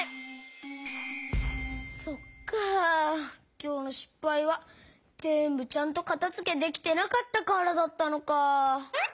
きょうのしっぱいはぜんぶちゃんとかたづけできてなかったからだったのか。